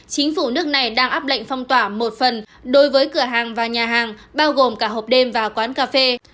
chính phủ nước này đang áp lệnh phong tỏa một phần đối với cửa hàng và nhà hàng bao gồm cả hộp đêm và quán cà phê